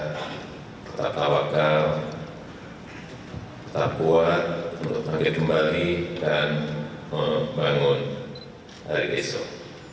tetap tawakal tetap kuat untuk kembali dan bangun hari besok